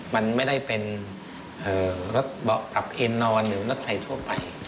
มันไม่ได้เป็นรถเบากับเอ็นนอนหรือรถไฟทั่วไป